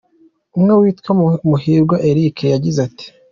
Umwe witwa Muhirwa Eric yagize ati:.